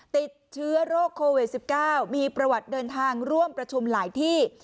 ติดเชื้อโรคโควิด๑๙มีประวัติเดินทางร่วมประชุมหลายที่